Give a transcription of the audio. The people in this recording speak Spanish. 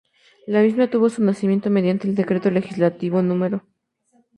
La misma tuvo su nacimiento mediante el Decreto Legislativo No.